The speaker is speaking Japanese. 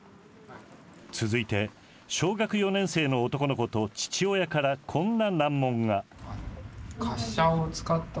続いて小学４年生の男の子と父親からこんな難問が。